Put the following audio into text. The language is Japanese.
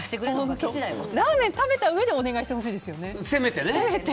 ラーメン食べたうえでお願いしてほしいですよね。